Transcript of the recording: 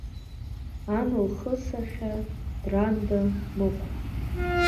Ан-лхыасахьа, Дранда, Мықә.